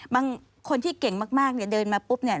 บางคนที่เก่งมากเนี่ยเดินมาปุ๊บเนี่ย